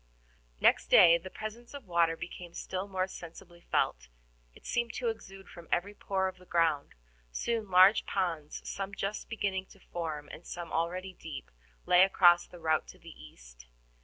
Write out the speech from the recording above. Next day the presence of water became still more sensibly felt; it seemed to exude from every pore of the ground. Soon large ponds, some just beginning to form, and some already deep, lay across the route to the east.